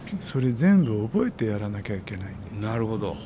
それ全部覚えてやらなきゃいけない。